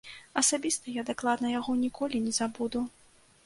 Асабіста я дакладна яго ніколі не забуду.